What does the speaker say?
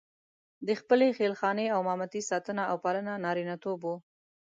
د خپلې خېل خانې او مامتې ساتنه او پالنه نارینتوب وو.